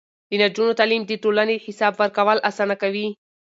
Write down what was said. د نجونو تعليم د ټولنې حساب ورکول اسانه کوي.